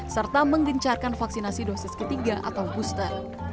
serta menggencarkan vaksinasi dosis ketiga atau booster